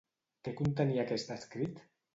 Què contenia aquest escrit?